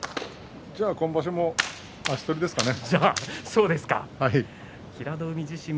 今場所も足取りですかね。